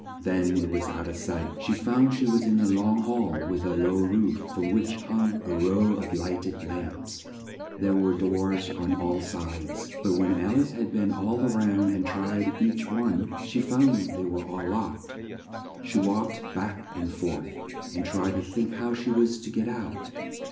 then it was out of sight. She found she was in a long hall with a low roof, from which hung a row of light ed lamps. There were doors on all sides, but when Al ice had been all round and tried each one, she found they were all locked. She walked back and forth and tried to think how she was to get out.